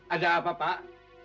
ada apa pak